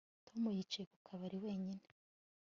Tom yicaye ku kabari wenyine